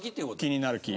「気になる木」。